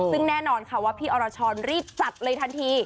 ซึ่งแน่นอนค่ะว่าพี่อรชรรีบจัดเลยทันที